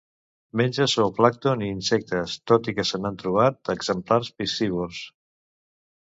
Menja zooplàncton i insectes, tot i que se n'han trobat exemplars piscívors.